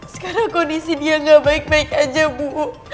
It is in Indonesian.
sekarang kondisi dia gak baik baik aja bu